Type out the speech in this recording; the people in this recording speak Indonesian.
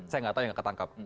saya nggak tahu yang ketangkap